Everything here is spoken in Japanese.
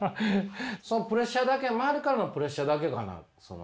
プレッシャーだけ周りからのプレッシャーだけかな？